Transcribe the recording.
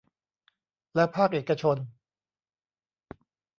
และภาคเอกชน